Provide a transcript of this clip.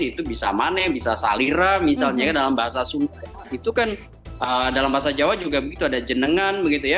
itu bisa maneh bisa salira misalnya dalam bahasa sunda itu kan dalam bahasa jawa juga begitu ada jenengan begitu ya